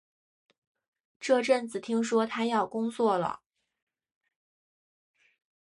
这阵子听说他要工作了